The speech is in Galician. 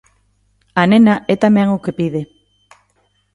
A nena é tamén o que pide.